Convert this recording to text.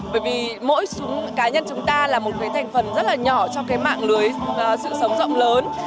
bởi vì mỗi cá nhân chúng ta là một cái thành phần rất là nhỏ trong cái mạng lưới sự sống rộng lớn